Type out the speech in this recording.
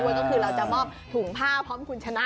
ก็คือเราจะมอบถุงผ้าพร้อมคุณชนะ